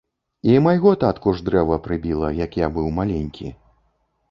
І майго татку ж дрэва прыбіла, як я быў маленькі.